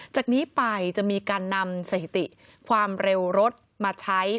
จากนี้ไปจะมีการนำสถิติความเร็วรถมาใช้